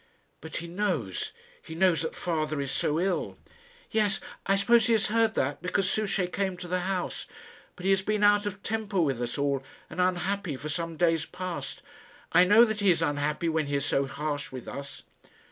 "But he knows he knows that father is so ill." "Yes; I suppose he has heard that, because Souchey came to the house. But he has been out of temper with us all, and unhappy, for some days past. I know that he is unhappy when he is so harsh with us."